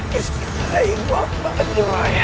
kau seperti bayi yang baru belajar merangkak